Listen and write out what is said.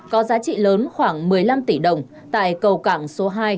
có giá trị lớn khoảng một mươi năm tỷ đồng tại cầu cảng số hai